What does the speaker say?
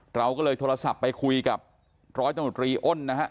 เราก็เลยโทรศัพท์ไปคุยกับร้อยตำรวจรีอ้นนะฮะ